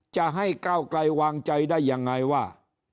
จะให้ก้าวไกลวางใจได้ยังไงว่า